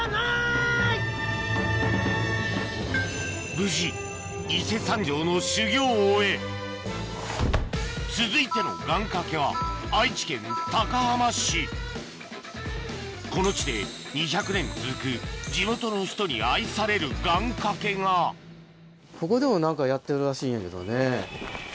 無事伊勢山上の修行を終え続いての願掛けはこの地で２００年続く地元の人に愛される願掛けがここでも何かやってるらしいんやけどね。